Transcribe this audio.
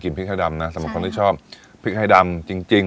กินพริกไทยดำนะใช่ค่ะสำหรับคนที่ชอบพริกไทยดำจริงจริง